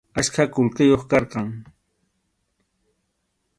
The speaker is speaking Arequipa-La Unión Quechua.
Achka qullqiyuq karqan.